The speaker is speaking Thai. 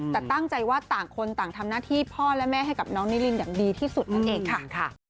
แต่ตั้งใจว่าต่างคนต่างทำหน้าที่พ่อและแม่ให้กับน้องนิรินอย่างดีที่สุดนั่นเองค่ะ